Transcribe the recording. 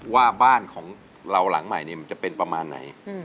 ว่าบ้านของเราหลังใหม่มันจะเป็นประมาณไหน